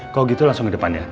kalau gitu langsung ke depan ya